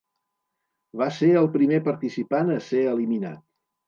Va ser el primer participant a ser eliminat.